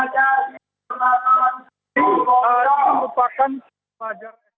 yang ada di belakangnya